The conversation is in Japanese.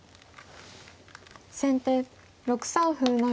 先手６三歩成。